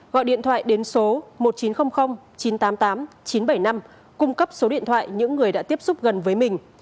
gọi điện thoại đến số một nghìn chín trăm linh chín trăm tám mươi tám chín trăm bảy mươi năm cung cấp số điện thoại những người đã tiếp xúc gần với mình